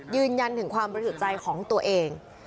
ยืนยันถึงความบริสุทธิ์ใจของตัวเอง